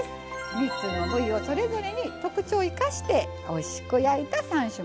３つの部位をそれぞれに特徴を生かしておいしく焼いた３種盛りになります。